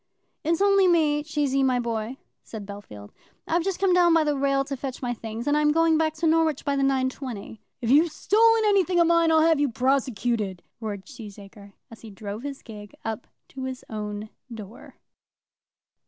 "It's only me, Cheesy, my boy," said Bellfield. "I've just come down by the rail to fetch my things, and I'm going back to Norwich by the 9.20. "If you've stolen anything of mine I'll have you prosecuted," roared Cheesacre, as he drove his gig up to his own door.